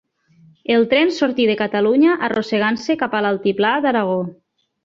El tren sortí de Catalunya arrossegant-se cap a l'altiplà d'Aragó